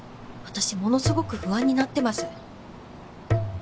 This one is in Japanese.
私ものすごく不安になってます